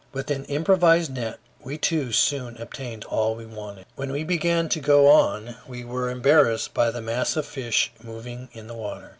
With an improvised net we too soon obtained all we wanted. When we began to go on we were embarrassed by the mass of fish moving in the water.